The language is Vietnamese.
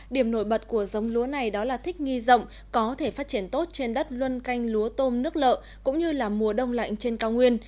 điểm nổi bật của giống lúa này đó là thích nghi rộng có thể phát triển tốt trên đất luân canh lúa tôm nước lợ cũng như là mùa đông lạnh trên cao nguyên